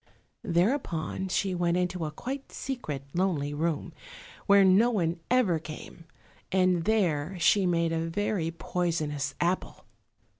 Thereupon she went into a quite secret, lonely room, where no one ever came, and there she made a very poisonous apple.